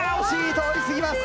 通りすぎます。